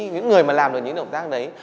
những người mà làm được những động tác đấy